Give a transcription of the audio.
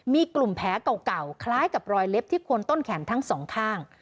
มีกลุ่มแผลเก่าคล้ายกับรอยเล็บที่คนต้นแขนทั้งสองข้าง